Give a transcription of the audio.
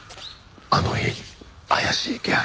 あの家に怪しい気配。